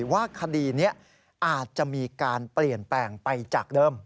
ว่าคดีนี้อาจจะมีการเปลี่ยนแปลงไปจากเดิม